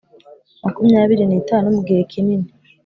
Makumyabiri n itanu mu gihe kininini